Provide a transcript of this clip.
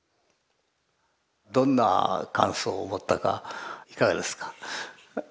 どんな感想を持ったかいかがですか？